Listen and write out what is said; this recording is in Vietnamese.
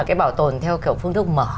cái bảo tồn theo kiểu phương thức mở